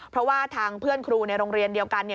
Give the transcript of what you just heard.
เพราะว่าทางเพื่อนครูในโรงเรียนเดียวกัน